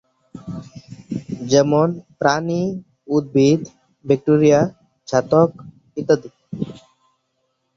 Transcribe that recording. যেমন:- প্রাণী, উদ্ভিদ, ব্যাকটেরিয়া, ছত্রাক ইত্যাদি।